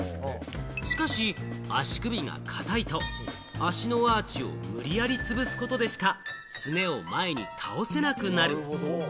しかし足首が硬いと足のアーチを無理やりつぶすことでしか、すねを前に倒せなくなる。